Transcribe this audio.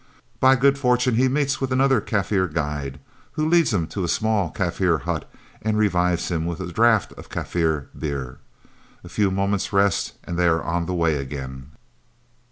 By good fortune he meets with another Kaffir guide, who leads him to a small Kaffir hut and revives him with a draught of Kaffir beer. A few moments' rest, and they are on the way again.